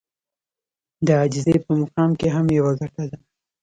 د عاجزي په مقام کې هم يوه ګټه ده.